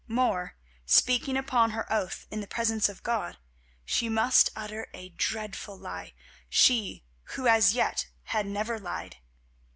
More, speaking upon her oath in the presence of God, she must utter a dreadful lie, she who as yet had never lied.